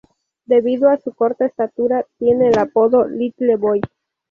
Debido a su corta estatura tiene el apodo "Little boy".